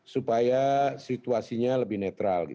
supaya situasinya lebih netral